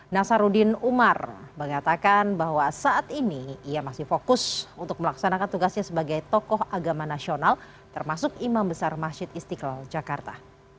nasaruddin umar mengatakan bahwa saat ini ia masih fokus untuk melaksanakan tugasnya sebagai tokoh agama nasional termasuk imam besar masjid istiqlal jakarta